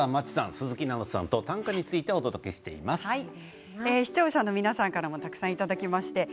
鈴木奈々さんと短歌について視聴者の皆さんからもたくさんいただきました。